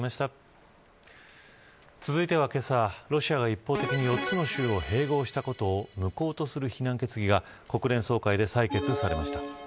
続いては、けさロシアの一方的な４つの州を併合したことを無効とする非難決議が国連総会で採決されました。